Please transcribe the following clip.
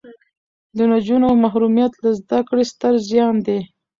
د نجونو محرومیت له زده کړې ستر زیان دی.